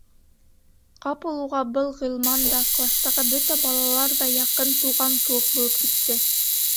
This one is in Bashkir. Ҡапыл уға был Ғилман да, кластағы бөтә балалар ҙа яҡын, туған кеүек булып китте.